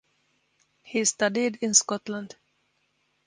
He studied in Scotland.